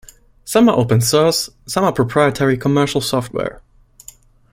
Some are open source; some are proprietary commercial software.